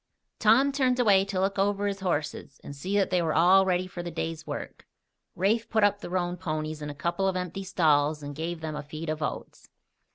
Tom turned away to look over his horses and see that they were all ready for the day's work. Rafe put up the roan ponies in a couple of empty stalls and gave them a feed of oats.